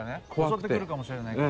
襲ってくるかもしれないから。